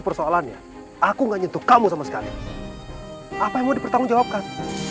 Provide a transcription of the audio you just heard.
persoalannya aku gak nyentuh kamu sama sekali apa yang mau dipertanggungjawabkan